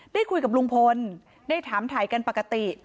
ได้คุยกับลุงพลได้ถามถ่ายกันปกติ